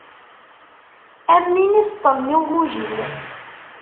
Am wi iseṭṭlen i ugujil.